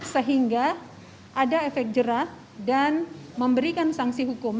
sehingga ada efek jerah dan memberikan sanksi hukum